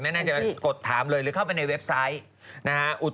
ไม่แน่ใจแม้กดถามเลยหรือเข้าไปในเว็บไซต์